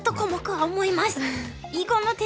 はい。